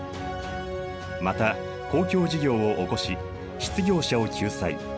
また公共事業を興し失業者を救済。